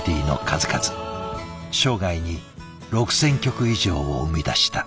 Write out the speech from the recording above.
生涯に６，０００曲以上を生み出した。